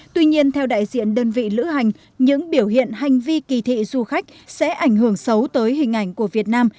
tuy nhiên theo đại diện đơn vị lữ hành những biểu hiện hành vi kỳ thị du khách sẽ ảnh hưởng xấu tới hình ảnh của việt nam